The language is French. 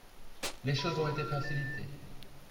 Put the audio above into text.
Les choses ont été facilitées.